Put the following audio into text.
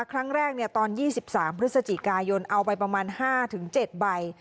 ตอนแรกตอน๒๓พฤศจิกายนเอาไปประมาณ๕๗ใบ